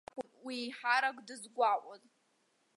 Кан изы акәын уи еиҳарак дызгәаҟуаз.